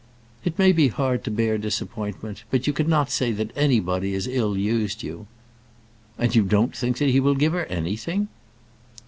"It may be hard to bear disappointment; but you cannot say that anybody has ill used you." "And you don't think he will give her anything?"